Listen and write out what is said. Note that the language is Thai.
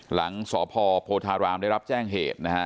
หลังสพโพธารามได้รับแจ้งเหตุนะฮะ